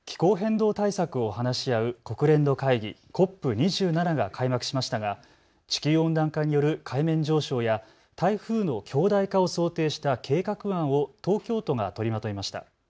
気候変動対策を話し合う国連の会議、ＣＯＰ２７が開幕しましたが地球温暖化による海面上昇や台風の強大化を想定した計画案を東京都が取りまとめました。